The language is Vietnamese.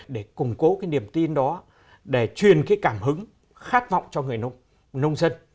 để củng cố cái niềm tin đó để truyền cái cảm hứng khát vọng cho người nông dân